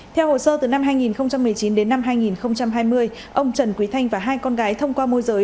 theo hồ sơ từ năm hai nghìn một mươi chín đến năm hai nghìn hai mươi ông trần quý thanh và hai con gái thông qua môi giới